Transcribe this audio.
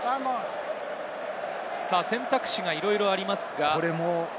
選択肢がいろいろあります。